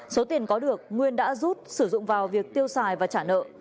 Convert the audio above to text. số tiền có được nguyên đã rút sử dụng vào việc tiêu xài và trả nợ